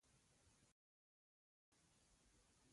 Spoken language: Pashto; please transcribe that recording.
غوا د روغتیا لپاره ارزښتناکه ده.